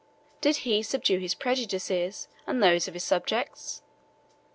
Did he subdue his prejudices, and those of his subjects?